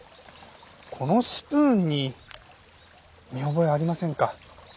このスプーンに見覚えありませんか？